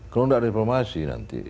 kalau tidak reformasi nanti